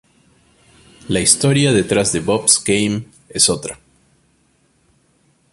La historia detrás de Bob's Game es otra.